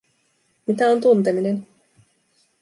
Mitä on tunteminen?